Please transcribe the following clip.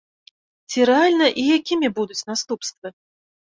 Ці рэальна і якімі будуць наступствы?